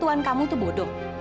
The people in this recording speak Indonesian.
pertuan kamu tuh bodoh